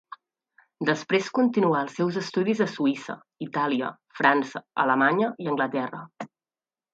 Després continuà els seus estudis a Suïssa, Itàlia, França, Alemanya i Anglaterra.